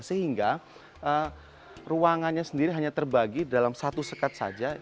sehingga ruangannya sendiri hanya terbagi dalam satu sekat saja